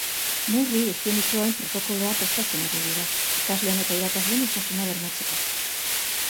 Neurri higienikoen protokoloa prestatzen ari dira, ikasleen eta irakasleen osasuna bermatzeko.